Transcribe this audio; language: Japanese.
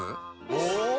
お！